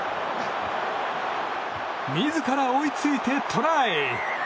自ら追いついてトライ！